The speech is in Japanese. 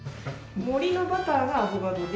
「森のバター」がアボカドで。